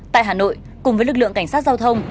tại hà nội cùng với lực lượng cảnh sát giao thông